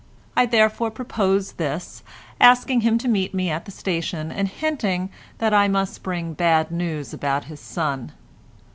I therefore proposed this, asking him to meet me at the station, and hinting that I must bring bad news about his son.